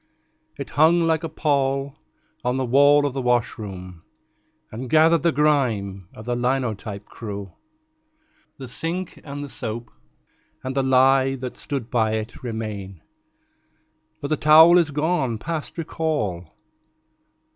It hung like a pall on the wall of the washroom, And gathered the grime of the linotype crew. The sink and the soap and the lye that stood by it Remain; but the towel is gone past recall.